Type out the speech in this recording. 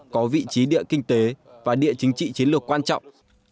có vị trí địa kinh tế và địa chính trị chiến lược quan trọng